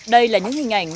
đây là những hình ảnh